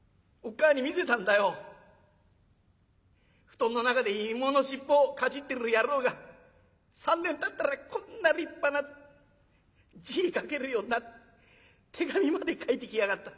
布団の中で芋の尻尾かじってる野郎が３年たったらこんな立派な字書けるようになって手紙まで書いてきやがった。